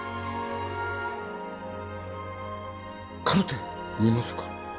カルテ見ますか？